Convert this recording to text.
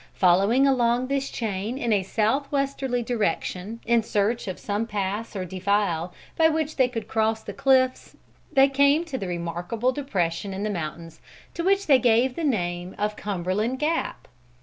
Following along this chain in a south westerly direction, in search of some pass or defile by which they could cross the cliffs, they came to the remarkable depression in the mountains to which they gave the name of Cumberland Gap.